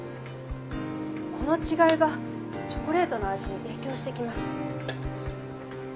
この違いがチョコレートの味に影響してきます。